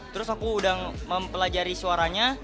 terus aku udah mempelajari suaranya